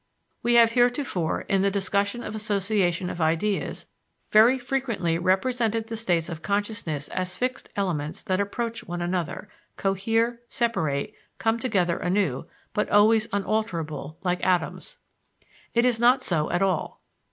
We have heretofore, in the discussion of association of ideas, very frequently represented the states of consciousness as fixed elements that approach one another, cohere, separate, come together anew, but always unalterable, like atoms. It is not so at all.